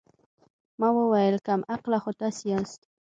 ما وويل کم عقله خو تاسې ياست.